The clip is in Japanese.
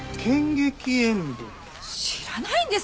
知らないんですか？